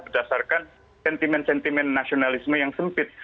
berdasarkan sentimen sentimen nasionalisme yang sempit